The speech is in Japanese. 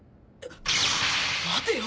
待てよ！